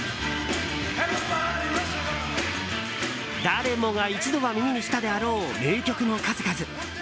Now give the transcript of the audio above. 誰もが一度は耳にしたであろう名曲の数々。